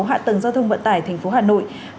hạ tầng giao thông vận tải tp hcm